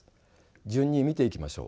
順に見ていきましょう。